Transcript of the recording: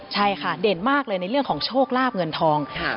ใช่ค่ะเด่นมากเลยในเรื่องของโชคลาบเงินทอง